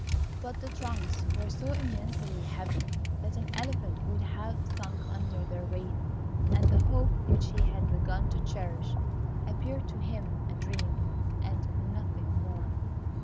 But the trunks were so immensely heavy, that an elephant would have sunk under their weight, and the hope which he had begun to cherish appeared to him a dream, and nothing more.